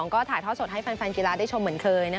ก็ถ่ายทอดสดให้แฟนกีฬาได้ชมเหมือนเคย